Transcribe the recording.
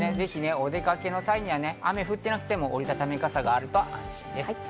お出かけの際には雨が降っていなくても、折り畳み傘があると安心です。